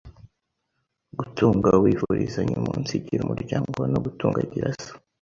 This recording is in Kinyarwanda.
gutunga wifurizanya umunsigira umuryango no gutunga Gira so,